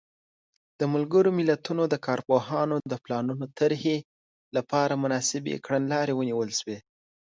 د ملګرو ملتونو د کارپوهانو د پلانونو طرحې لپاره مناسبې کړنلارې ونیول شوې.